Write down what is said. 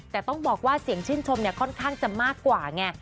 แต่ต้องบอกว่าเสียงชื่นชมเนี่ยค่อนข้างจะมากกว่าไง